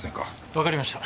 わかりました。